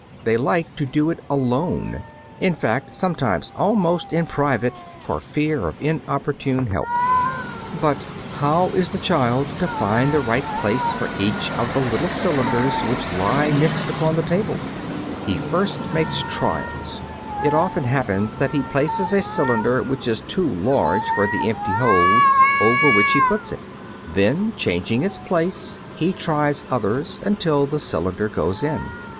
They like to do it alone; in fact, sometimes almost in private for fear of inopportune help. (Fig. 8.) [Illustration: FIG. 8. CHILD USING CASE OF CYLINDERS.] But how is the child to find the right place for each of the little cylinders which lie mixed upon the table? He first makes trials; it often happens that he places a cylinder which is too large for the empty hole over which he puts it. Then, changing its place, he tries others until the cylinder goes in.